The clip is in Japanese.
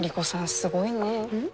すごいね。